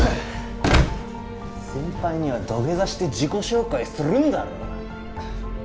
先輩には土下座して自己紹介するんだろ？